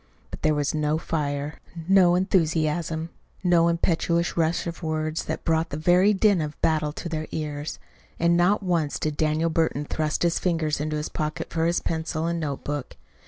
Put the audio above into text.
But there was no fire, no enthusiasm, no impetuous rush of words that brought the very din of battle to their ears. And not once did Daniel Burton thrust his fingers into his pocket for his pencil and notebook.